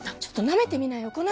ちょっとなめてみなよ